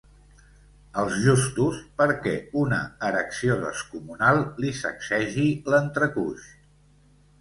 Els justos perquè una erecció descomunal li sacsegi l'entrecuix.